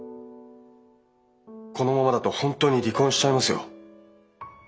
このままだと本当に離婚しちゃいますよ。